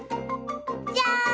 じゃん！